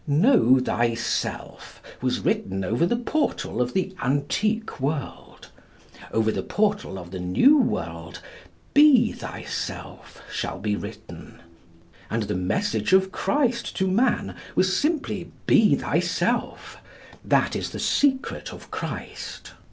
'Know thyself' was written over the portal of the antique world. Over the portal of the new world, 'Be thyself' shall be written. And the message of Christ to man was simply 'Be thyself.' That is the secret of Christ.